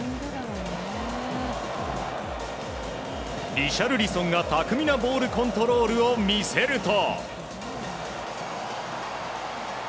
リシャルリソンが巧みなボールコントロールを見せると。